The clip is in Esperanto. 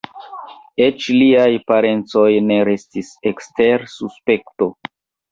Eĉ liaj parencoj ne restis ekster suspekto.